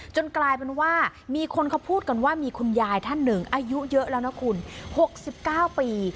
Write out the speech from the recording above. กลายเป็นว่ามีคนเขาพูดกันว่ามีคุณยายท่านหนึ่งอายุเยอะแล้วนะคุณ๖๙ปี